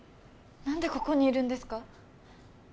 何でここにいるんですか？